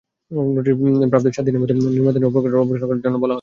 Notice প্রাপ্তির সাত দিনের মধ্যে নির্মাণাধীন অবকাঠোমো অপসারণ করার জন্য বলা হলো।